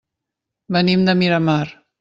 Venim de Miramar.